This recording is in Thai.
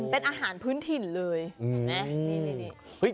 เป็นอาหารพื้นถิ่นเลยเห็นไหมนี่นี่นี่